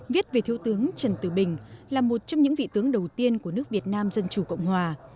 viết về thiếu tướng trần tử bình là một trong những vị tướng đầu tiên của nước việt nam dân chủ cộng hòa